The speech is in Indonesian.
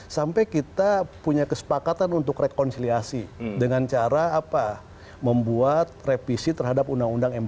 sampai kita punya kesepakatan untuk rekonsiliasi dengan cara membuat revisi terhadap undang undang md tiga